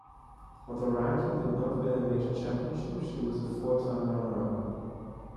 Although Rankin did not win a major championship, she was a four-time runner-up.